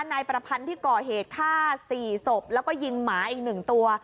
นายประพันธ์ที่ก่อเหตุฆ่า๔ศพแล้วก็ยิงหมาอีก๑ตัว